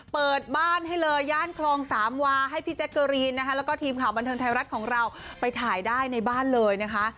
เปิดบ้านให้เลยย่านคลองสามวาให้พี่แจ๊กเกอรีนนะคะแล้วก็ทีมข่าวบันเทิงไทยรัฐของเราไปถ่ายได้ในบ้านเลยนะคะ